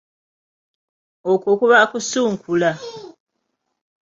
Okwo kuba okusunkula.